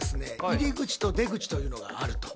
入り口と出口というのがあると。